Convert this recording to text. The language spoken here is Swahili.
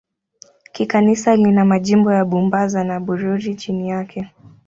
Kikanisa lina majimbo ya Bubanza na Bururi chini yake.